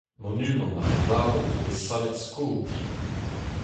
Monumant ar re varv zo bet savet sko outi.